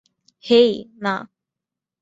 হেই, না!